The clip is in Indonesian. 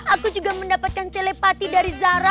aku juga mendapatkan selepati dari zara